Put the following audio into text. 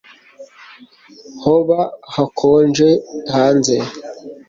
Hoba hakonje hanze